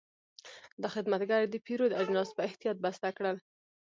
دا خدمتګر د پیرود اجناس په احتیاط بسته کړل.